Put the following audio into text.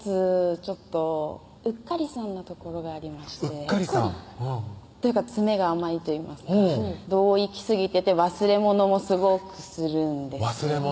ちょっとうっかりさんなところがありましてうっかりさんというか詰めが甘いといいますか度を行きすぎてて忘れ物もすごくするんです忘れ物？